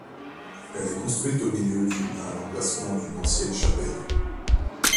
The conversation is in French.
Elle est construite au milieu du à l'emplacement d'une ancienne chapelle.